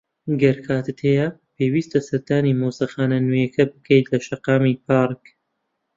ئەگەر کاتت هەیە، پێویستە سەردانی مۆزەخانە نوێیەکە بکەیت لە شەقامی پارک.